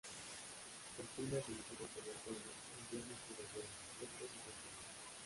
El clima es semiseco, con otoño, invierno y primavera secos, y templados.